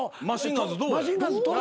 マシンガンズどう？